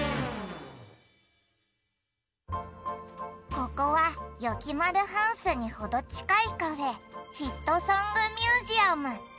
ここはよきまるハウスにほどちかいカフェ「ヒットソング・ミュージアム」。